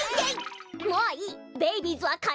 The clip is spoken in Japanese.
もういい！